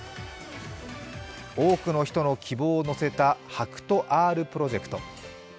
多くの人の希望を乗せたＨＡＫＵＴＯ−Ｒプロジェクト。